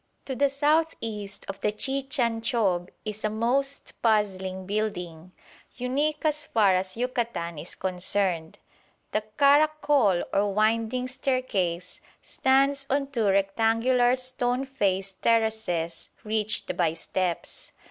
To the south east of the Chichanchob is a most puzzling building, unique as far as Yucatan is concerned. The Caracol, or "Winding Staircase," stands on two rectangular stone faced terraces reached by steps.